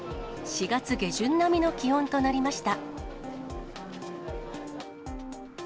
４月下旬並みの気温となりました。